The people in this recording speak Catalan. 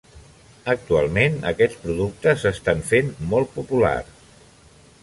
Actualment aquests productes s'estan fent molt populars.